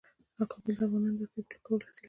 کابل د افغانانو د اړتیاوو د پوره کولو وسیله ده.